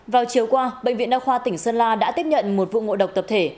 vào chiều qua bệnh viện đa khoa tỉnh sơn la đã tiếp nhận một vụ ngộ độc tập thể